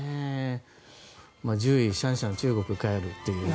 １０位シャンシャン中国帰るって。